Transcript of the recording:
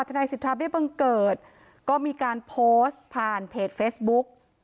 นายสิทธาเบี้บังเกิดก็มีการโพสต์ผ่านเพจเฟซบุ๊ก